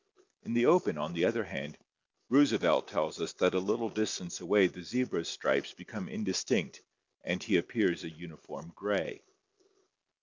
In the open, on the other hand, Roosevelt tells us that a little distance away the zebra's stripes become indistinct and he appears a uniform gray.